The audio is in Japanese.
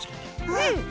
うん！